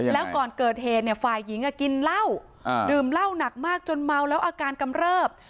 แล้วก่อนเกิดเหตุเนี่ยฝ่ายหญิงกินเหล้าดื่มเหล้าหนักมากจนเมาแล้วอาการกำเริบ